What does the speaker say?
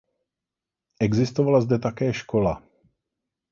Existovala zde také škola.